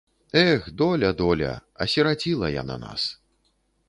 Эх, доля, доля, асіраціла яна нас.